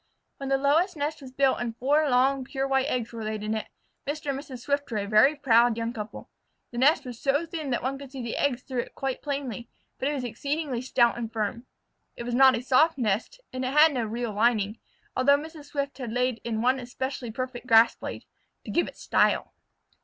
When the lowest nest was built and the four long pure white eggs were laid in it, Mr. and Mrs. Swift were a very proud young couple. The nest was so thin that one could see the eggs through it quite plainly, but it was exceedingly stout and firm. It was not a soft nest, and it had no real lining, although Mrs. Swift had laid in one especially perfect grass blade "to give it style."